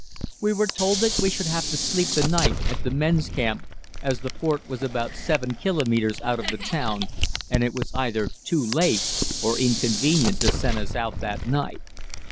We were told that we should have to sleep the night at the men's camp, as the fort was about 7 kilometres out of the town, and it was either too late or inconvenient to send us out that night.